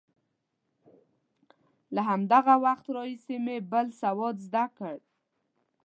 له هماغه وخته راهیسې مې بل سواد زده کړ.